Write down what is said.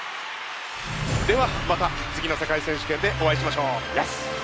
ではまた次の世界選手権でお会いしましょう。